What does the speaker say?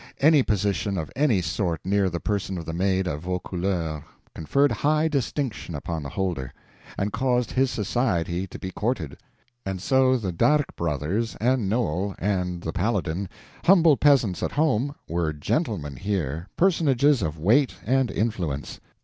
Any position of any sort near the person of the Maid of Vaucouleurs conferred high distinction upon the holder and caused his society to be courted; and so the D'Arc brothers, and Noel, and the Paladin, humble peasants at home, were gentlemen here, personages of weight and influence.